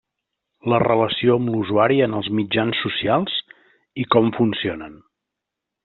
La relació amb l'usuari en els mitjans social i com funcionen.